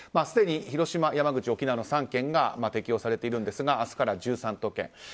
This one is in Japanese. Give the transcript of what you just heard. すでに広島、山口、沖縄の３県が適用されているんですが明日から１３都県。